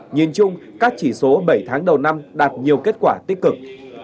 nhìn chung các chỉ số bảy tháng đầu năm đạt nhiều kết quả tích cực